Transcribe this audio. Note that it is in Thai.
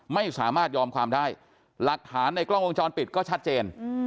ไม่ยอมความได้หลักฐานในกล้องวงจรปิดก็ชัดเจน